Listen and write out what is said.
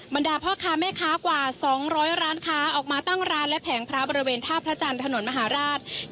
บรรดาพ่อค้าแม่ค้ากว่า๒๐๐ร้านค้าออกมาตั้งร้านและแผงพระบริเวณท่าพระจันทร์ถนนมหาราช